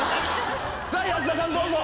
安田さんどうぞ！